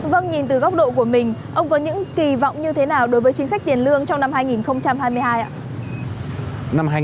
vâng nhìn từ góc độ của mình ông có những kỳ vọng như thế nào đối với chính sách tiền lương trong năm hai nghìn hai mươi hai ạ